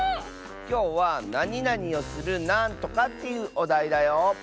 きょうはなになにをするなんとかっていうおだいだよ。